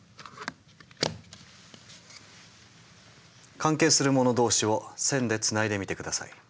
関係する者同士を線でつないでみて下さい。